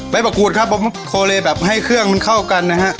มะกรูดครับผมโคเลแบบให้เครื่องมันเข้ากันนะฮะ